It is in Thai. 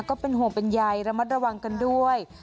ก็เป็นห่วงเป็นใยระมัดระวังกันด้วย